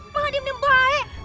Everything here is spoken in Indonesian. malah diem diem baik